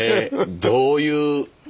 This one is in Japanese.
どういう。